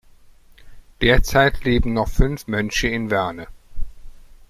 Derzeit leben noch fünf Mönche in Werne.